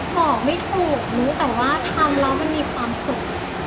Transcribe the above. บอกไม่ถูกรู้แต่ว่าทำแล้วมันมีความสุข